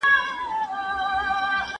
مه هېروئ چي زمانه په داستان کي اصل ده.